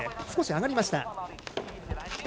少し上がりました。